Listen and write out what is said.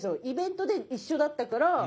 イベントで一緒だったから。